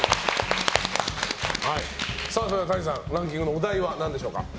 Ｔａｎｉさん、ランキングのお題は何でしょうか。